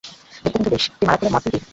দেখতে কিন্তু বেস, তুই মালা খুলে মদ গিলবি?